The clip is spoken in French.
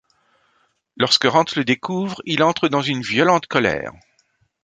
Lorsque Rantz le découvre, il entre dans une violente colère.